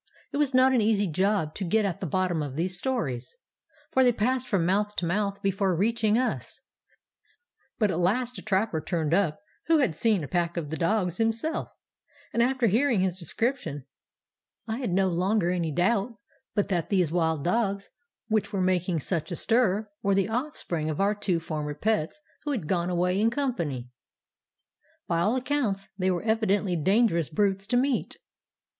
"It was not an easy job to get at the bottom of these stories, for they passed from mouth to mouth before reaching us; but at last a trapper turned up who had seen a pack of the dogs himself, and after hearing his description I had no longer any doubt but that these wild dogs which were making such a stir were the offspring of our two former pets which had gone away in company. "By all accounts they were evidently dangerous brutes to meet.